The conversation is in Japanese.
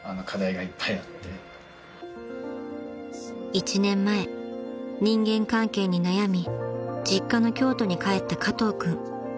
［１年前人間関係に悩み実家の京都に帰った加藤君］